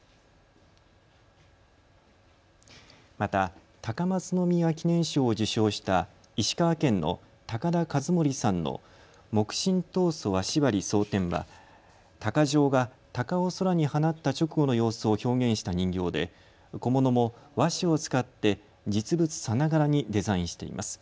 また、高松宮記念賞を受賞した石川県の高田和司さんの木芯桐塑和紙貼蒼天はたか匠がたかを空に放った直後の様子を表現した人形で小物も和紙を使って実物さながらにデザインしています。